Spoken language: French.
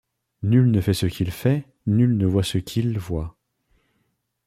Nul ne fait ce qu’il fait ; nul ne voit ce qu’il ; voit.